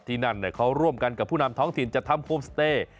ที่นั่นเขาร่วมกันกับผู้นำท้องถิ่นจะทำโฮมสเตย์